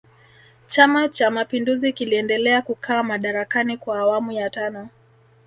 chama cha mapinduzi kiliendelea kukaa madarakani kwa awamu ya tano